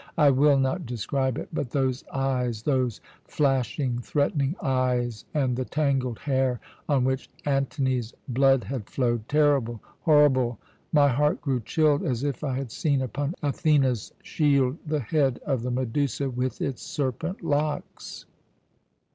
I will not describe it; but those eyes, those flashing, threatening eyes, and the tangled hair on which Antony's blood had flowed terrible, horrible! My heart grew chill, as if I had seen upon Athene's shield the head of the Medusa with its serpent locks.